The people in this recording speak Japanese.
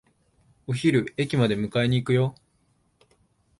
お昼、駅まで迎えに行くよ。